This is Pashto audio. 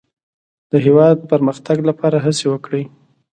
د هېواد د پرمختګ لپاره هڅې وکړئ.